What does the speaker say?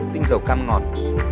tinh dầu cam ngọt